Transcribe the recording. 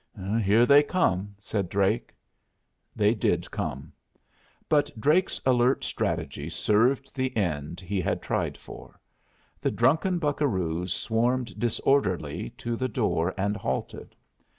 "Here they come," said Drake. They did come. But Drake's alert strategy served the end he had tried for. The drunken buccaroos swarmed disorderly to the door and halted.